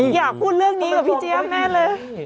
อยากพูดเรื่องนี้กับพี่เจี๊ยบแน่เลย